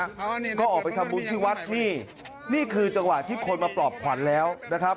แล้วก็ออกไปทำบุญที่วัดนี่นี่คือจังหวะที่คนมาปลอบขวัญแล้วนะครับ